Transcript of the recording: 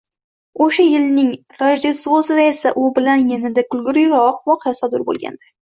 O‘sha yilning Rojdestvosida esa, u bilan yanada kulgiliroq voqea sodir bo‘lgandi.